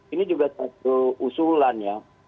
ini juga satu usulan ya